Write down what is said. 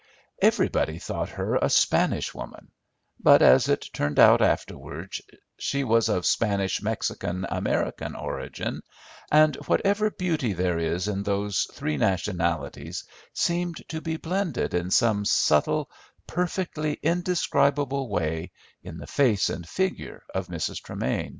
Everybody thought her a Spanish woman; but, as it turned out afterward, she was of Spanish Mexican American origin, and whatever beauty there is in those three nationalities seemed to be blended in some subtle, perfectly indescribable way in the face and figure of Mrs. Tremain.